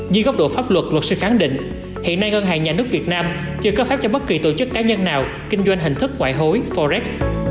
dưới góc độ pháp luật luật sư khẳng định hiện nay ngân hàng nhà nước việt nam chưa có phép cho bất kỳ tổ chức cá nhân nào kinh doanh hình thức ngoại hối forex